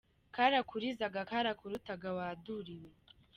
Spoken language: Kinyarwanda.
karakuriza karakuruta wa duri we